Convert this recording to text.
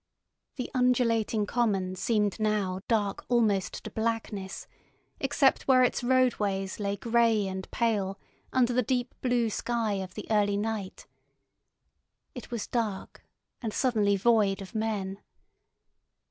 The undulating common seemed now dark almost to blackness, except where its roadways lay grey and pale under the deep blue sky of the early night. It was dark, and suddenly void of men.